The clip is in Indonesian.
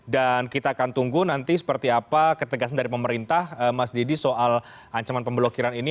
dan kita akan tunggu nanti seperti apa ketegasan dari pemerintah mas didi soal ancaman pemblokiran ini